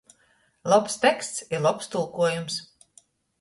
Lobs teksts i lobs tulkuojums.